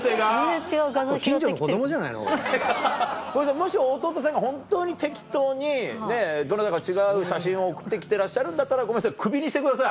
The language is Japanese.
もし弟さんが本当に適当にどなたか違う写真を送って来てらっしゃるんだったらクビにしてください。